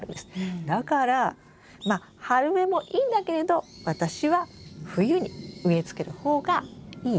だからまあ春植えもいいんだけれど私は冬に植えつける方がいい。